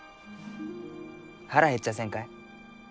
腹減っちゃあせんかえ？